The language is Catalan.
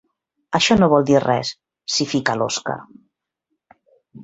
Això no vol dir res —s'hi ficà l'Oskar—.